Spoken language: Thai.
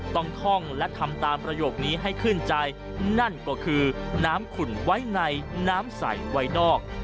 ท่องและทำตามประโยคนี้ให้ขึ้นใจนั่นก็คือน้ำขุ่นไว้ในน้ำใสไว้นอก